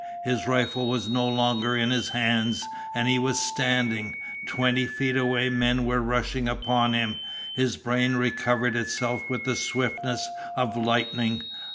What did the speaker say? His rifle was no longer in his hands, and he was standing. Twenty feet away men were rushing upon him. His brain recovered itself with the swiftness of lightning.